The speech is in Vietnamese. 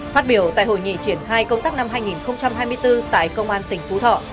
phát biểu tại hội nghị triển khai công tác năm hai nghìn hai mươi bốn tại công an tỉnh phú thọ